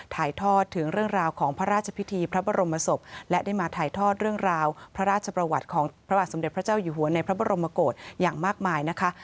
ถ่ายทอดถึงเรื่องราวของพระราชพิธีพระบรมศพและได้มาถ่ายทอดเรื่องราวพระราชประวัติของพระบาทสมเด็จพระเจ้าอยู่หัวในพระบรมกฏอย่างมากมายนะคะ